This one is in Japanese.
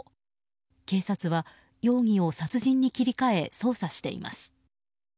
警察は容疑を殺人に切り替え捜査しています。